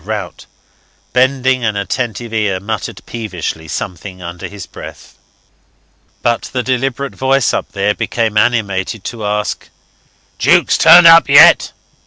Rout, bending an attentive ear, muttered peevishly something under his breath. But the deliberate voice up there became animated to ask: "Jukes turned up yet?"